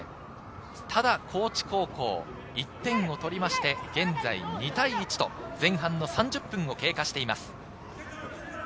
ただ高知高校、１点を取りまして現在２対１、前半３０分を経過しています。